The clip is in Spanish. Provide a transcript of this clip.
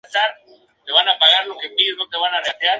Sólo poliestireno o similar para poder golpear con ella.